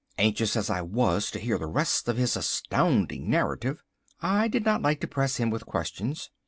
Anxious as I was to hear the rest of his astounding narrative, I did not like to press him with questions.